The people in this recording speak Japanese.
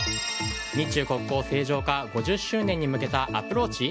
日中国交正常化５０周年に向けたアプローチ？